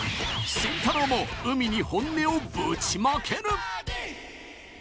慎太郎も海に本音をぶちまける！